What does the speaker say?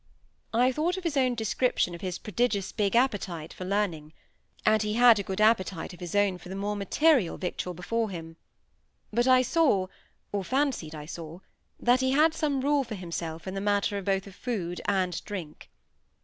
I thought of his own description of his "prodigious big appetite" for learning. And he had a good appetite of his own for the more material victual before him. But I saw, or fancied I saw, that he had some rule for himself in the matter both of food and drink.